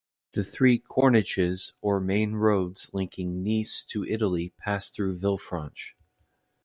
The three "Corniches" or main roads linking Nice to Italy pass through Villefranche.